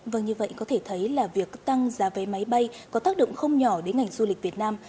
vâng như vậy có thể thấy là việc tăng giá vé máy bay có tác động không nhỏ đến ngành du lịch việt nam